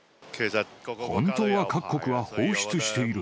本当は各国は放出している。